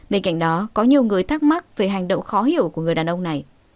bên cạnh đó có nhiều người thắc mắc về hành động khó hiểu của người đàn ông này